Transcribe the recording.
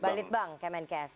balai litbang kemenkes